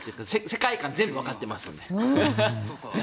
世界観、全部わかってますので。